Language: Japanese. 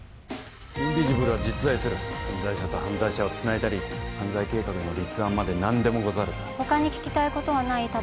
インビジブルは実在する犯罪者と犯罪者をつないだり犯罪計画の立案まで何でもござれだ他に聞きたいことはない？